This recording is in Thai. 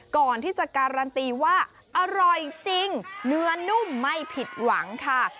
ก่อนที่จะการันตีว่าอร่อยจริงเนื้อนุ่มไม่ผิดหวังค่ะ